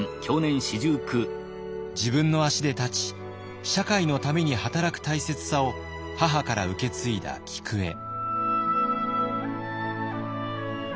自分の足で立ち社会のために働く大切さを母から受け継いだ菊栄。